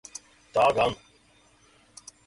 Tā gan.